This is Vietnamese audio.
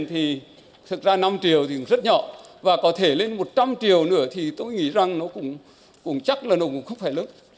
thì thực ra năm triệu thì rất nhỏ và có thể lên một trăm linh triệu nữa thì tôi nghĩ rằng nó cũng chắc là nó cũng không phải lớn